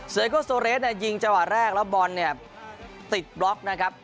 เซโกโซเรสเนี่ยยิงจังหวะแรกแล้วบอลเนี่ยติดบล็อกนะครับ